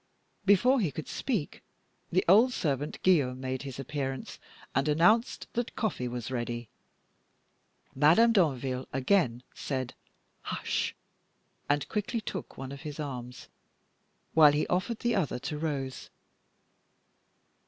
Before he could speak, the old servant Guillaume made his appearance, and announced that coffee was ready. Madame Danville again said "Hush!" and quickly took one of his arms, while he offered the other to Rose.